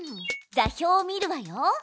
座標を見るわよ。